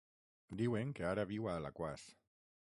Diuen que ara viu a Alaquàs.